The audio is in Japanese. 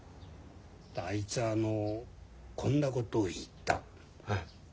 あいつはこんなことを言った。